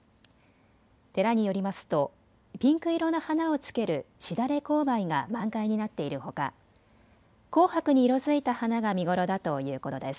寺によりますとピンク色の花をつけるしだれ紅梅が満開になっているほか紅白に色づいた花が見頃だということです。